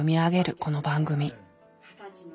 この番組。